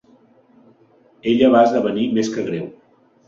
Ella va esdevenir més que greu.